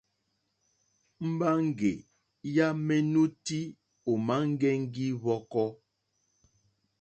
Mbaŋgè ja menuti òma ŋgɛŋgi hvɔkɔ.